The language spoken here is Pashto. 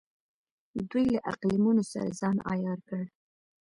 دوی له اقلیمونو سره ځان عیار کړ.